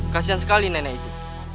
kasian sekali nenek itu